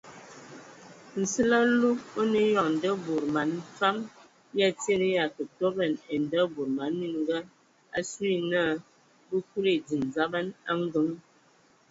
Nsili alug o nə eyɔŋ nda bod man fam ya tie na ya kə toban ai ndabod man mininga asu ye na bə kuli ediŋ dzaba a ngəŋ.